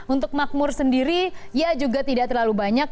untuk makmur sendiri ya juga tidak terlalu banyak